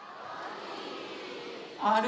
あれ？